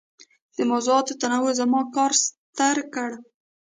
د موضوعاتو تنوع زما کار ستر کړ.